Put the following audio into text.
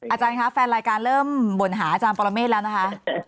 อาจารย์คะแฟนรายการเริ่มบ่นหาอาจารย์ปรเมฆแล้วนะคะ